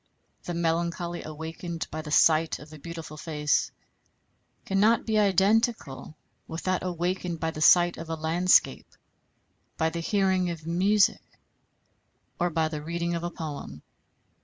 The melancholy awakened by the sight of a beautiful face cannot be identical with that awakened by the sight of a landscape, by the hearing of music, or by the reading of a poem.